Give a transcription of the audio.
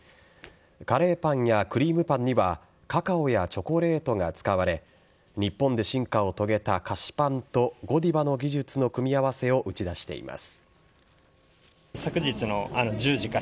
カレーパンやクリームパンにはカカオやチョコレートが使われ日本で進化を遂げた菓子パンとゴディバの技術の組み合わせを打ち出しています。